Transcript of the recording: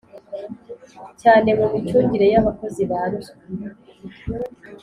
cyane mu micungire y’abakozi. ba ruswa